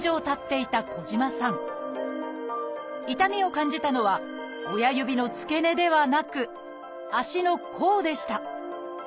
痛みを感じたのは親指の付け根ではなく足の甲でした。